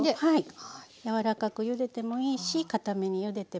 柔らかくゆでてもいいし堅めにゆでてもいいし。